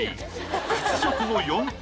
屈辱の４点。